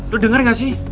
lo denger nggak sih